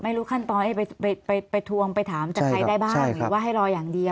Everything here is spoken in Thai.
รู้ขั้นตอนไปทวงไปถามจากใครได้บ้างหรือว่าให้รออย่างเดียว